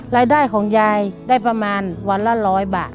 รายได้ของยายได้ประมาณวันละ๑๐๐บาท